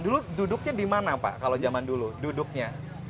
dulu duduknya di mana pak kalau zaman dulu duduknya